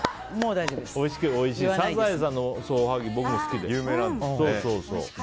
サザエさんのおはぎ僕も好きで。